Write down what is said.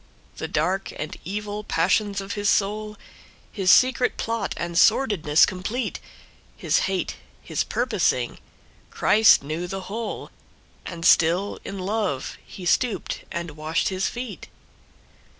The dark and evil passions of his soul, His secret plot, and sordidness complete, His hate, his purposing, Christ knew the whole, And still in love he stooped and washed his feet.